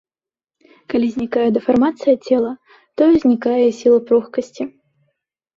Калі знікае дэфармацыя цела, тое знікае і сіла пругкасці.